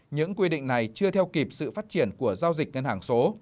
những quy định này chưa theo kịp sự phát triển của giao dịch ngân hàng số